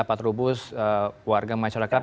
pak trubus warga masyarakat